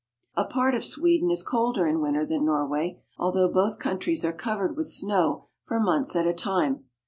A part of Sweden is colder in winter than Norway, although both countries are covered with snow for months at a time.